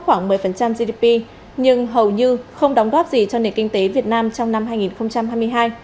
khoảng một mươi gdp nhưng hầu như không đóng góp gì cho nền kinh tế việt nam trong năm hai nghìn hai mươi hai